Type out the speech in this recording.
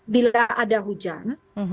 bila ada hujan